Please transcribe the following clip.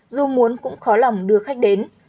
dù muốn cũng khó lòng đưa khách đến